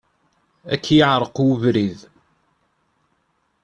Ad ak-yeɛreq ubrid.